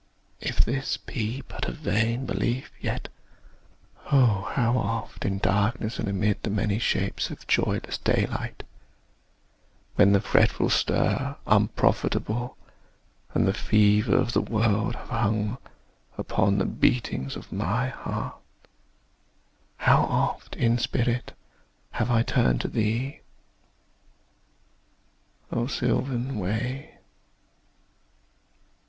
If this Be but a vain belief, yet, oh! how oft In darkness and amid the many shapes Of joyless daylight; when the fretful stir Unprofitable, and the fever of the world, Have hung upon the beatings of my heart How oft, in spirit, have I turned to thee, O sylvan Wye!